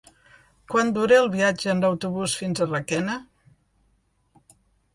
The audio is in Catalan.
Quant dura el viatge en autobús fins a Requena?